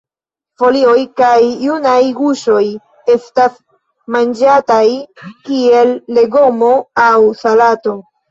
Folioj kaj junaj guŝoj estas manĝataj kiel legomo aŭ salato.